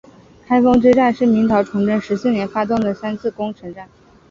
开封之战是明朝崇祯十四年发动的三次攻城战。